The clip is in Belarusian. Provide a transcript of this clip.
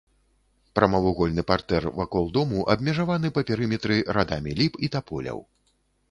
Прамавугольны партэр вакол дому абмежаваны па перыметры радамі ліп і таполяў.